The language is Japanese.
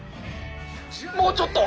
もうちょっと！